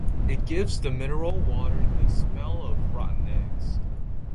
It gives the mineral water the smell of rotten eggs.